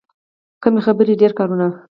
کم خبرې، ډېر کارونه.